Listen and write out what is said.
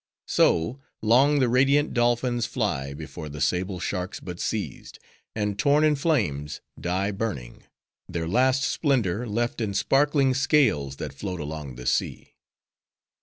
So, long the radiant dolphins fly before the sable sharks but seized, and torn in flames—die, burning:—their last splendor left, in sparkling scales that float along the sea.